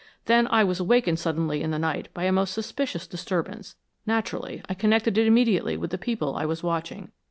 Then I was awakened suddenly in the night by a most suspicious disturbance. Naturally, I connected it immediately with the people I was watching.